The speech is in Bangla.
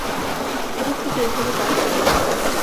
উপস্থিত এইভাবে কাজ করে যাও।